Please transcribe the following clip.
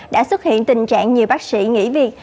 đã xuất hiện tình trạng nhiều bác sĩ nghỉ việc